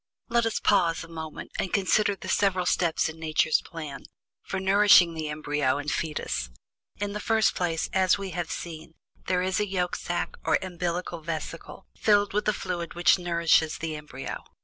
Let us pause a moment, and reconsider the several steps in Nature's plan for nourishing the embryo and fetus. In the first place, as we have seen, there is the yolk sack or umbillical vesicle, filled with a fluid which nourishes the embryo.